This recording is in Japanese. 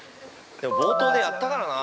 ◆でも冒頭でやったからな。